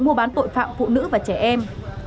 buôn bán tội phạm phụ nữ và trẻ em